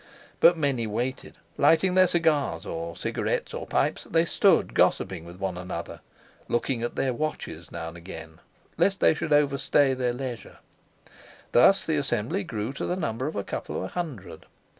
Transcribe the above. But many waited; lighting their cigars or cigarettes or pipes, they stood gossiping with one another, looking at their watches now and again, lest they should overstay their leisure. Thus the assembly grew to the number of a couple of hundred.